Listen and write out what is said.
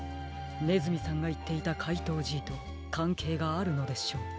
ねずみさんがいっていたかいとうＧとかんけいがあるのでしょうか？